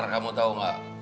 kamu tau gak